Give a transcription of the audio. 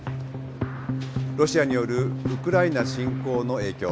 ロシアによるウクライナ侵攻の影響